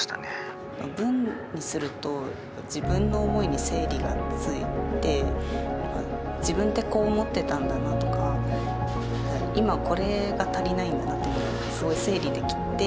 文にすると自分の思いに整理がついて自分ってこう思ってたんだなとか今これが足りないんだなというのがすごい整理できて。